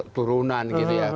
turunan gitu ya